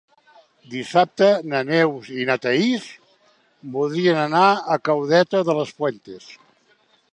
Dissabte na Neus i na Thaís voldrien anar a Caudete de las Fuentes.